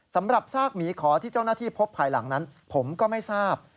สำหรับซากหมีขอที่เจ้าหน้าที่พบภายหลังนั้นผมก็ไม่ทราบ